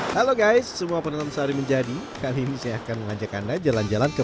halo guys semua penonton sehari menjadi kali ini saya akan mengajak anda jalan jalan ke